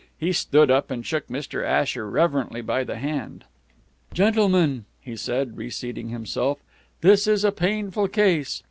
He stood up and shook Mr. Asher reverently by the hand. "Gentlemen," he said, reseating himself, "this is a painful case.